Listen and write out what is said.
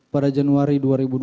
pada januari dua ribu dua puluh